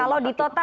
kalau di total